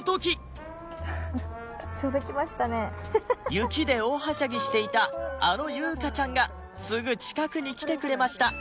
雪で大はしゃぎしていたあのユウカちゃんがすぐ近くに来てくれました